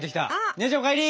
姉ちゃんお帰り。